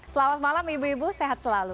selamat malam ibu ibu sehat selalu